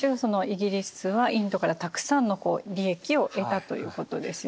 イギリスはインドからたくさんの利益を得たということですよね。